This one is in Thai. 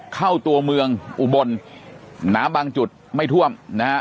เข้าตัวเมืองอุบลน้ำบางจุดไม่ท่วมนะฮะ